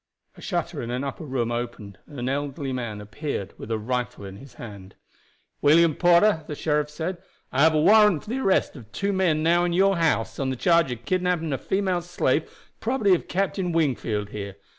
A shutter in an upper room opened, and an elderly man appeared with a rifle in his hand. "William Porter," the sheriff said, "I have a warrant for the arrest of two men now in your house on the charge of kidnaping a female slave, the property of Captain Wingfield here.